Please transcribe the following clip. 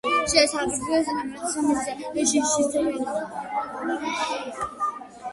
შეესაბამება წინაენისმიერ მჟღერ შიშინა თანხმოვანს.